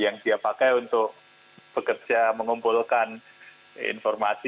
yang dia pakai untuk bekerja mengumpulkan informasi